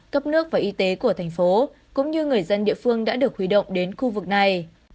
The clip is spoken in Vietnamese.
cấp nước và y tế của thành phố cũng như người dân địa phương đã được huy động đến khu vực này